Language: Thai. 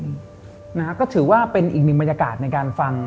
ที่ถือว่าเป็นอีกนิยภายในการฟัง